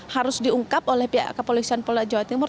harus diungkap oleh pihak kepolisian polda jawa timur